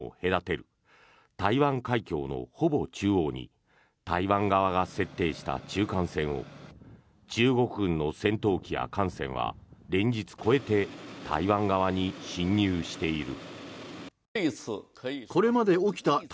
中国大陸と台湾を隔てる台湾海峡のほぼ中央に台湾側が設定した中間線を中国軍の戦闘機や艦船は連日、越えて台湾側に進入している。